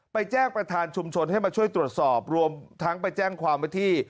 แจ้งประธานชุมชนให้มาช่วยตรวจสอบรวมทั้งไปแจ้งความว่าที่